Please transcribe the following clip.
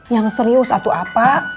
yang serius atu apa